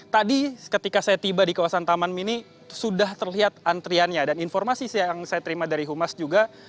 tadi ketika saya tiba di kawasan taman mini sudah terlihat antriannya dan informasi yang saya terima dari humas juga